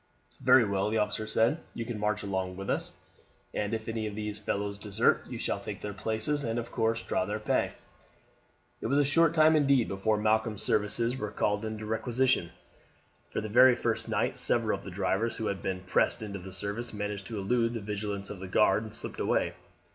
"Very well," the officer said. "You can march along with us, and if any of these fellows desert you shall take their places, and of course draw their pay." It was a short time indeed before Malcolm's services were called into requisition, for the very first night several of the drivers, who had been pressed into the service, managed to elude the vigilance of the guard and slipped away.